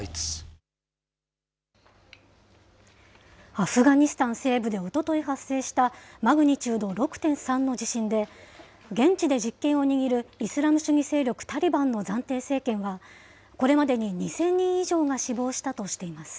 アフガニスタン西部でおととい発生したマグニチュード６．３の地震で、現地で実権を握るイスラム主義勢力タリバンの暫定政権は、これまでに２０００人以上が死亡したとしています。